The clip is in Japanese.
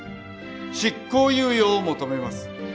執行猶予を求めます。